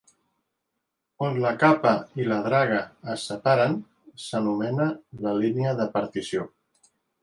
On la capa i la draga es separen s'anomena la línia de partició.